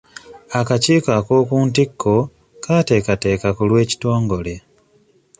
Akakiiko ak'oku ntikko kateekateeka ku lw'ekitongole.